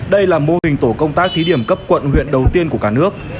đây là mô hình tổ công tác thí điểm cấp quận huyện đầu tiên của cả nước